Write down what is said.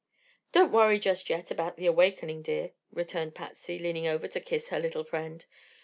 "Don't worry just yet about the awakening, dear," returned Patsy, leaning over to kiss her little friend.